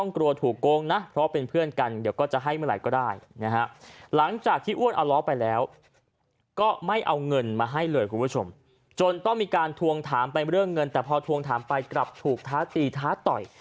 จนต้องมีการทวงถามไปเรื่องเงินแต่พอทวงถามไปกลับถูกท้าตีท้าต่อย